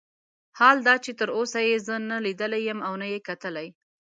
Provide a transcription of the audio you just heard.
حال دا چې تر اوسه یې زه نه لیدلی یم او نه یې کتلی.